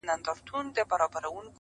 منځ کي پروت یې زما د سپینو ایینو ښار دی,